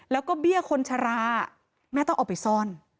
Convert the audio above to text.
แล้วก็เบี้ยคนชราแม่ต้องเอาไปซ่อน